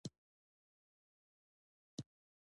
ژبې د افغانستان د سیاسي جغرافیه یوه برخه ده.